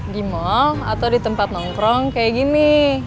di mall atau di tempat nongkrong kayak gini